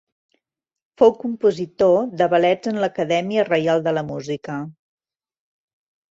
Fou compositor de ballets en l'Acadèmia Reial de Música.